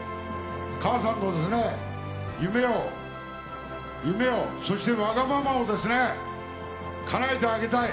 母さんの夢をそして、わがままをかなえてあげたい。